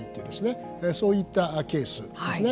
そういったケースですね